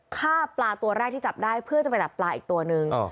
ฆ่าปลาตัวแรกที่จับได้เพื่อจะไปดับปลาอีกตัวนึง